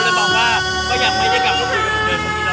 เพราะเลยบอกว่าก็ยังไม่ได้กลับรอบหนึ่งเป็นของเจนนี่